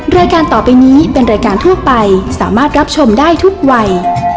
รายการต่อไปนี้เป็นรายการทั่วไปสามารถรับชมได้ทุกวัย